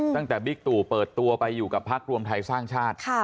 บิ๊กตู่เปิดตัวไปอยู่กับพักรวมไทยสร้างชาติ